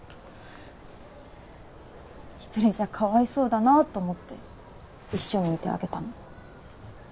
一人じゃかわいそうだなと思って一緒にいてあげたのに